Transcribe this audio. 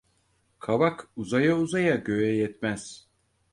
Kavak uzaya uzaya göğe yetmez.